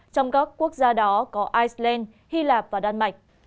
trong các quốc gia đó có iceland hy lạp và đan mạch